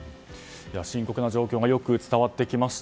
深刻な状況がよく伝わってきました。